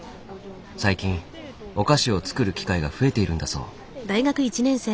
最近お菓子を作る機会が増えているんだそう。